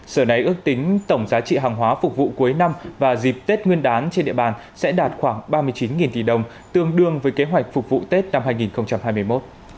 sở này ước tính tổng giá trị hàng hóa phục vụ cuối năm và dịp tết nguyên đán trên địa bàn sẽ đạt khoảng ba mươi chín tỷ đồng tương đương với kế hoạch phục vụ tết năm hai nghìn hai mươi một